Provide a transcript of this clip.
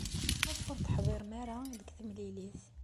Maɣef ur teḥdiṛem ara deg temlilit?